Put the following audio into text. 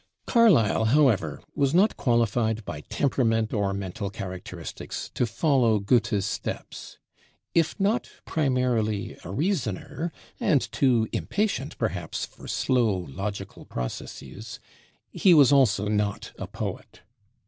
Carlyle, however, was not qualified by temperament or mental characteristics to follow Goethe's steps. If not primarily a reasoner, and too impatient perhaps for slow logical processes, he was also not a poet.